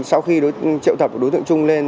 sau khi triệu tập đối tượng trung lên